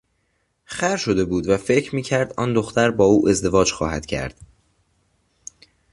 خر شده بود و فکر میکرد آن دختر با او ازدواج خواهد کرد.